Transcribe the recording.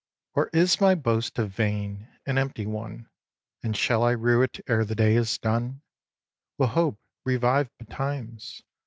xvi. Or is my boast a vain, an empty one, And shall I rue it ere the day is done? Will hope revive betimes?